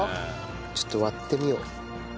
ちょっと割ってみよう。